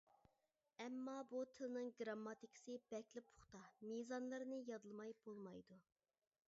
ئەمما بۇ تىلنىڭ گىرامماتىكىسى بەكلا پۇختا، مىزانلىرىنى يادلىماي بولمايدۇ.